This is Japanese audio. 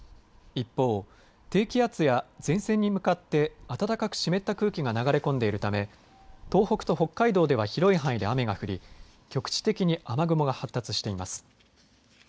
一方、低気圧や前線に向かって暖かく湿った空気が流れ込んでいるため、東北と北海道では広い範囲で雨が降り局地的に雨雲が発達しています。